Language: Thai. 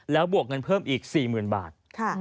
แล้วบวกเงินเพิ่มอีก๔๐๐๐บาท